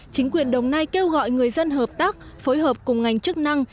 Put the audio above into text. chính quyền đồng nai kêu gọi người dân hợp tác phối hợp cùng ngành chức năng